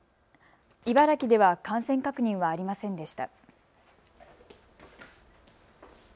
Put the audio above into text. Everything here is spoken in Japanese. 茨城では感染確認はありませんでした。